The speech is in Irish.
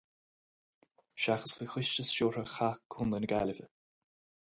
Seachas faoi choiste stiúrtha chath chontae na Gaillimhe.